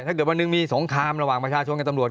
ถ้าเกิดวันหนึ่งมีสงครามระหว่างประชาชนกับตำรวจ